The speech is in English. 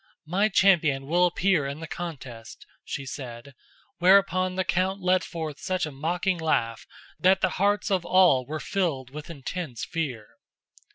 "My champion will appear in the contest," she said; whereupon the count let forth such a mocking laugh that the hearts of all were filled with intense fear.